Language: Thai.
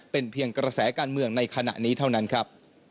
เป็นเพียงกระแสการเมืองในขณะนี้เท่านั้นครับ